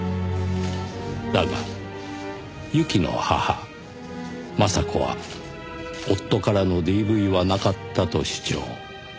だが侑希の母麻紗子は夫からのＤＶはなかったと主張。